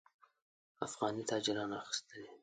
افغاني تاجرانو اخیستلې.